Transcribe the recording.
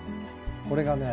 これがね